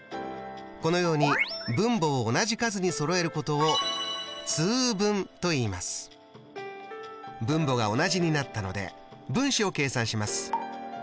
このように分母を同じ数にそろえることを分母が同じになったので分子を計算します。